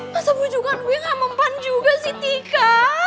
masa pujukan gue gak mempan juga sih tika